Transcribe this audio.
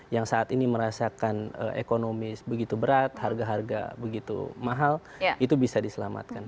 yang saat ini merasakan ekonomi begitu berat harga harga begitu mahal itu bisa diselamatkan